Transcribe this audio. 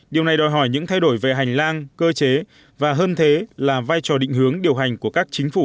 điều này đòi hỏi những thay đổi về hành lang cơ chế và hơn thế là vai trò định hướng điều hành của các chính phủ